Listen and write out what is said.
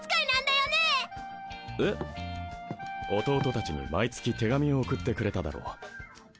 弟たちに毎月手紙を送ってくれただろう？